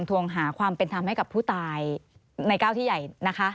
ทวงหาความเป็นธรรมให้กับผู้ตายในก้าวที่ใหญ่นะคะ